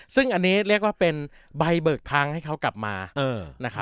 ซึ่งอันนี้เรียกว่าเป็นใบเบิกทางให้เขากลับมา